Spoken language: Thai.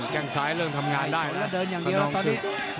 แค่งซ้ายเริ่มทำงานได้แล้วเดินอย่างเดียวแล้วตอนนี้